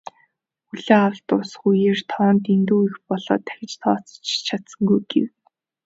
"Хүлээн авалт дуусах үеэр тоо нь дэндүү их болоод дахиж тооцоолж ч чадсангүй" гэв.